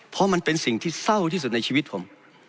เพราะมันเป็นสิ่งที่เศร้าที่สุดในชีวิตผม